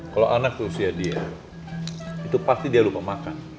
kalau anak usia dia itu pasti dia lupa makan